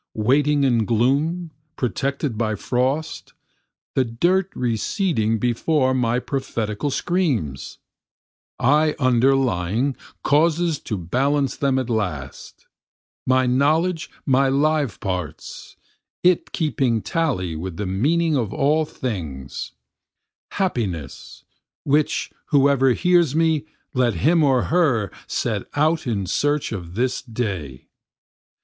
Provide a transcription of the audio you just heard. Waiting in gloom, protected by frost, The dirt receding before my prophetical screams, I underlying causes to balance them at last, My knowledge my live parts, it keeping tally with the meaning of all things, Happiness, (which whoever hears me let him or her set out in search of this day.)